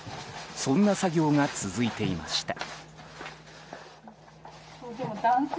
そんな作業が続いていました。